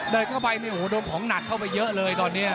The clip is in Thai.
เดินเข้าไปโดนของหนักเข้าไปเยอะเลยตอนนี้